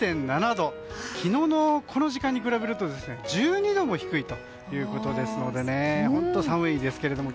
昨日のこの時間に比べると１２度も低いということなので本当、寒いですけれども。